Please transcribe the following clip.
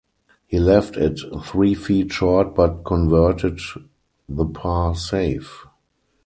He left it three feet short but converted the par save.